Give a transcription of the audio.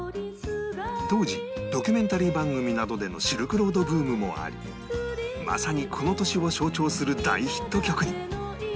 当時ドキュメンタリー番組などでのシルクロードブームもありまさにこの年を象徴する大ヒット曲に